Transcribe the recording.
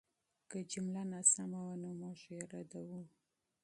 که جمله ناسمه وه، نو موږ یې ردوو.